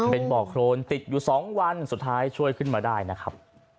เป็นบ่อโครนติดอยู่๒วันสุดท้ายช่วยขึ้นมาได้นะครับ